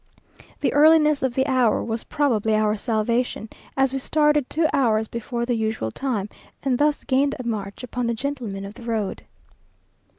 The earliness of the hour was probably our salvation, as we started two hours before the usual time, and thus gained a march upon the gentlemen of the road.